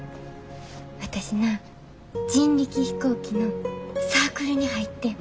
私な人力飛行機のサークルに入ってん。